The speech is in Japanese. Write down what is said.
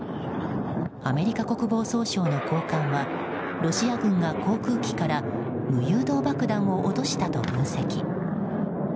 アメリカ国防総省の高官はロシア軍が航空機から無誘導爆弾を落としたと分析。